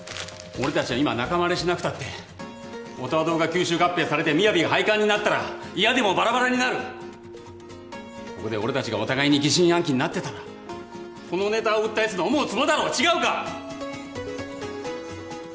俺達は今仲間割れしなくたって音羽堂が吸収合併されてＭＩＹＡＶＩが廃刊になったら嫌でもバラバラになるここで俺達がお互いに疑心暗鬼になってたらこのネタを売ったやつの思うつぼだろ違うか？